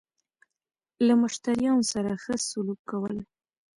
له مشتريانو سره خه سلوک کول